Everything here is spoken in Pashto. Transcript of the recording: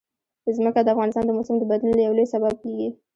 ځمکه د افغانستان د موسم د بدلون یو لوی سبب کېږي.